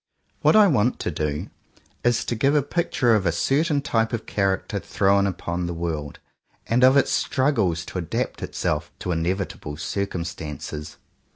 What I want to do is to give a picture of a certain type of character thrown upon the world, and of its struggles to adapt itself to inevitable circumstances.